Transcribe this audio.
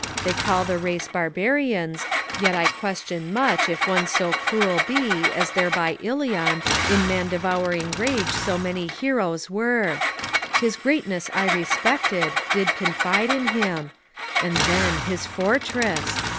They call the race Barbarians; yet I question much If one so cruel be, as there by Ilion In man devouring rage so many heroes were; His greatness I respected, did confide in him. And then, his fortress!